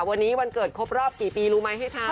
วันนี้วันเกิดครบรอบกี่ปีรู้ไหมให้ทำ